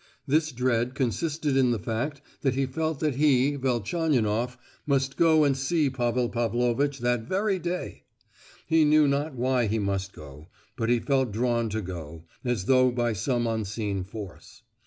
This dread consisted in the fact that he felt that he, Velchaninoff, must go and see Pavel Pavlovitch that very day; he knew not why he must go, but he felt drawn to go, as though by some unseen force.